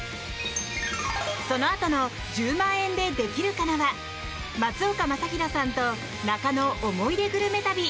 そのあとの「１０万円でできるかな」は松岡昌宏さんと中野思い出・グルメ旅。